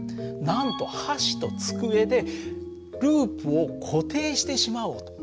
なんと箸と机でループを固定してしまおうと。